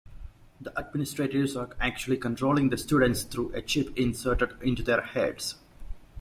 The administrators are actually controlling the students through a chip inserted into their heads.